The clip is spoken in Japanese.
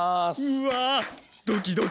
うわ。